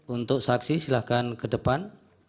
untuk saksi silahkan ke depan